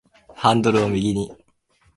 ハンドルを右に